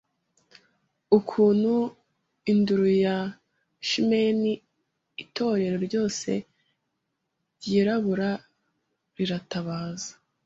Ukuntu induru ya chimeni itorero ryose ryirabura riratabaza